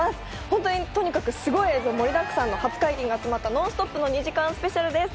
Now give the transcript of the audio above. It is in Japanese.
本当にとにかくすごい映像盛りだくさんの初解禁が集まったノンストップ２時間スペシャルです！